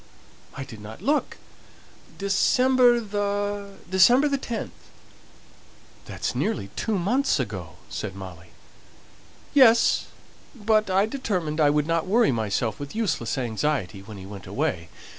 "I didn't look. December the December the 10th." "That's nearly two months ago," said Molly. "Yes; but I determined I wouldn't worry myself with useless anxiety, when he went away.